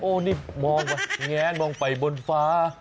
นี่มองไปแงนมองไปบนฟ้า